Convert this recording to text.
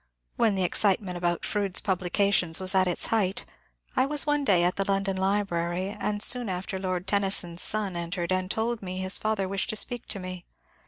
When the excitement about Fronde's publications was at its height, I was one day at the London Library, and soon after Lord Tennyson's son entered and told me his father wished to speak to me.